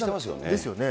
ですよね。